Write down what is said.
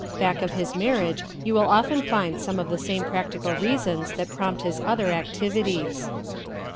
Back of his Marriage you will often find some of the same practical reasons that prompt his other activities.